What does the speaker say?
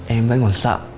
em vẫn còn sợ